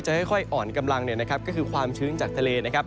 ค่อยอ่อนกำลังก็คือความชื้นจากทะเลนะครับ